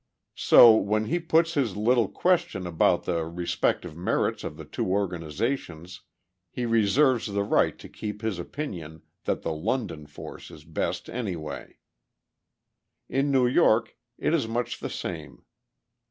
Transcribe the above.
So, when he puts his little question about the respective merits of the two organizations, he reserves the right to keep his opinion that the London force is best anyway. In New York, it is much the same.